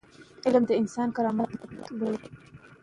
علم د انسان کرامت لوړوي.